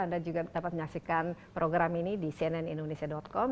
anda juga dapat menyaksikan program ini di cnnindonesia com